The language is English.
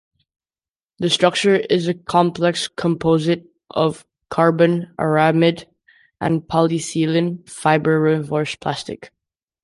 The structure is a complex composite of carbon, aramid and polyethylene fibre reinforced plastic.